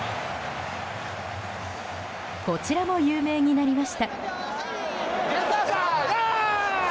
こちらも有名になりました。